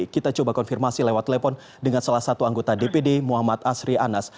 kita coba konfirmasi lewat telepon dengan salah satu anggota dpd muhammad asri anas